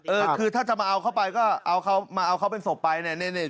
เออคือถ้าจะมาเอาเข้าไปก็เอาเขามาเอาเขาเป็นศพไปเนี่ย